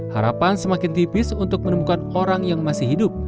harapan semakin tipis untuk menemukan orang yang masih hidup